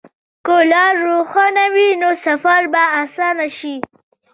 که لار روښانه وي، نو سفر به اسانه شي.